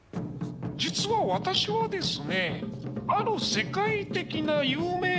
実は私はですね。